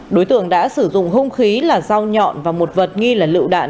đối tượng đã sử dụng hông khí là rau nhọn và một vật nghi là lựu đạn